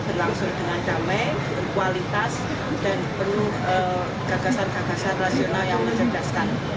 berlangsung dengan damai berkualitas dan penuh gagasan gagasan rasional yang mencerdaskan